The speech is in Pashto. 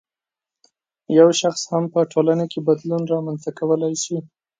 یو شخص هم په ټولنه کې بدلون رامنځته کولای شي